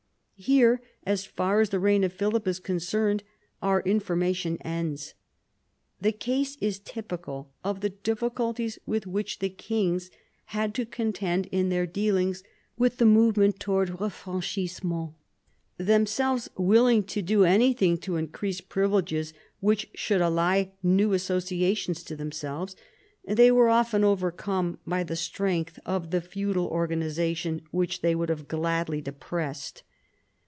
Here, as far as the reign of Philip is concerned, our information ends. The case is typical of the difficulties with which the kings had to contend in their dealings with the move ment towards refranchisement. Themselves willing to do anything to increase privileges which should ally new associations to themselves, they were often overcome by the strength of the feudal organisation which they would have gladly depressed.